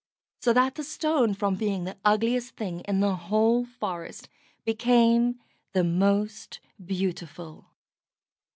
So that the Stone, from being the ugliest thing in the whole forest, became the most beautiful.